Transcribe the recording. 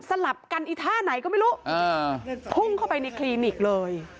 ลับกันอีท่าไหนก็ไม่รู้พุ่งเข้าไปในคลินิกเลย